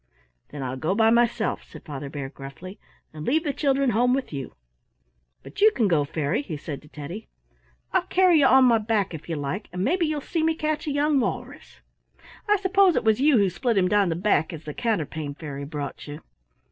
"Then I'll go by myself," said Father Bear, gruffly, "and leave the children home with you. But you can go, Fairy," he said to Teddy. "I'll carry you on my back if you like, and maybe you'll see me catch a young walrus. I suppose it was you who split him down the back, as the Counterpane Fairy brought you."